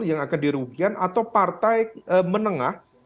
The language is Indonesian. yang akan dirugikan atau partai menengah